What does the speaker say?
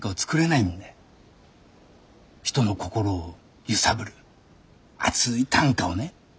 人の心を揺さぶる熱い短歌をね。